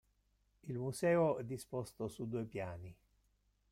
Il museo è disposto su due piani.